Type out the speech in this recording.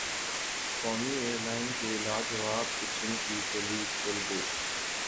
قومی ایئرلائن کے لاجواب کچن کی قلعی کھل گئی